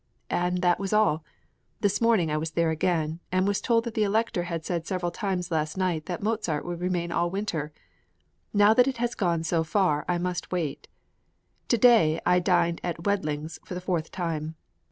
And that was all. This morning I was there again, and was told that the Elector had said several times last night that Mozart would remain all winter. Now that it has gone so far I must wait. To day I dined at Wendling's for the fourth time.